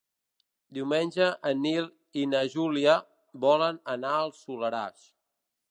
Diumenge en Nil i na Júlia volen anar al Soleràs.